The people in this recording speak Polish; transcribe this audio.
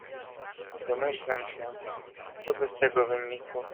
"Domyślam się, coby z tego wynikło."